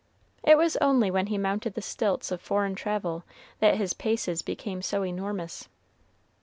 It was only when he mounted the stilts of foreign travel that his paces became so enormous.